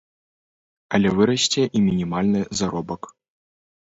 Але вырасце і мінімальны заробак.